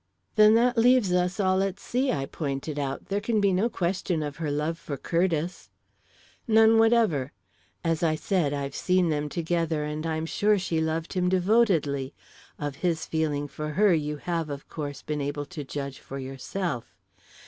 "Then that leaves us all at sea," I pointed out. "There can be no question of her love for Curtiss." "None whatever. As I said, I've seen them together, and I'm sure she loved him devotedly. Of his feeling for her you have, of course, been able to judge for yourself.